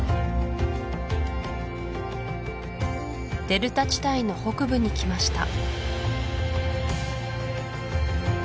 デルタ地帯の北部にきました